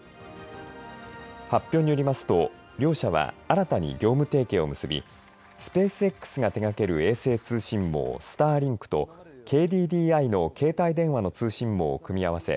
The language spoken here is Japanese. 発表によりますと両社は新たに業務提携を結びスペースＸが手がける衛星通信網、スターリンクとＫＤＤＩの携帯電話の通信網を組み合わせ